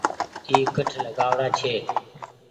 اي ڪٺ لآگآئو ڙآ ڇي ۔